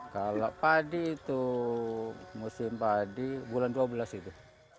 kalau padi itu musim padi bulan dua belas itu